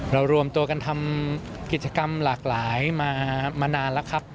รวมตัวกันทำกิจกรรมหลากหลายมานานแล้วครับ